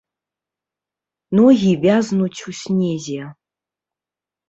Ногі вязнуць у снезе.